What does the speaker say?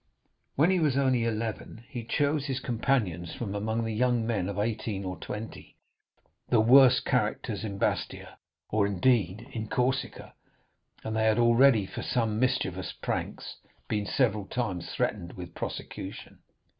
When he was only eleven, he chose his companions from among the young men of eighteen or twenty, the worst characters in Bastia, or, indeed, in Corsica, and they had already, for some mischievous pranks, been several times threatened with a prosecution.